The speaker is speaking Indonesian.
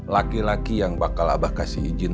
laki laki yang bakal abah kasih izin